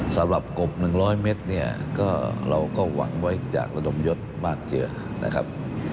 สำหรับกบ๑๐๐เมตรเนี่ยก็เราก็หวังไว้จากระดมยศมากเจือนะครับ